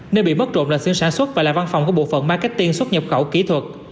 nơi bị mất trộm là xưởng sản xuất và là văn phòng của bộ phận marketing xuất nhập khẩu kỹ thuật